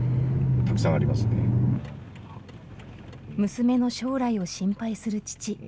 娘の将来を心配する父。